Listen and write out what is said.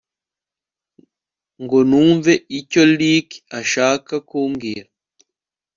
ngo numve icyo Ricky ashaka kumbwira